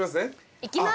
いきます。